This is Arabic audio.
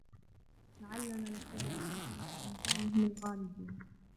لَعَلَّنَا نَتَّبِعُ السَّحَرَةَ إِنْ كَانُوا هُمُ الْغَالِبِينَ